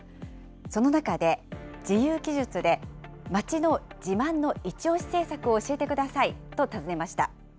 その中で、自由記述で、街の自慢のイチオシ政策を教えてくださいと尋ねました。